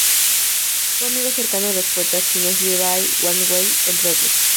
Fue amigo cercano de los poetas chinos Li Bai, Wang Wei, entre otros más.